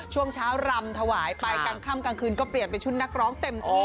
ช่วงเช้ารำถวายไปกลางค่ำกลางคืนก็เปลี่ยนเป็นชุดนักร้องเต็มที่